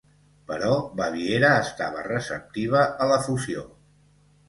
Però Baviera estava receptiva a la fusió.